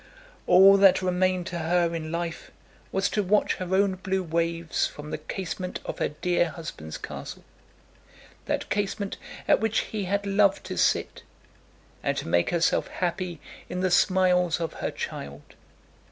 All that remained to her in life was to watch her own blue waves from the casement of her dear husband's castle, that casement at which he had loved to sit, and to make herself happy in the smiles of her child.